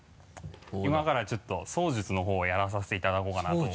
今からちょっと槍術のほうをやらさせていただこうかなと思います。